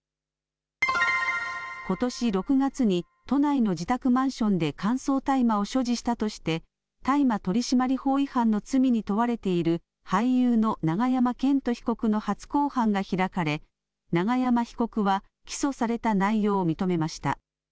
ことし６月に都内の自宅マンションで乾燥大麻を所持したとして大麻取締法違反の罪に問われている俳優の永山絢斗被告の初公判が開かれ永山被告は起訴された内容を認めました。